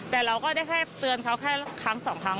แต่เราก็ได้แค่เตือนเขาแค่ครั้งสองครั้ง